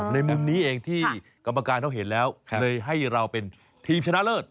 ในมุมนี้เองที่กรรมการเขาเห็นแล้วเลยให้เราเป็นทีมชนะเลิศ